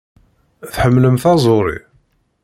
Tḥemmlem taẓuri?